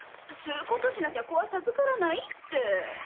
「することしなきゃ子は授からない」って。